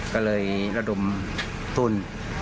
ก็เลยระดมทุน